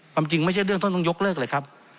จริงไม่ใช่เรื่องต้นต้องยกเลิกเลยครับ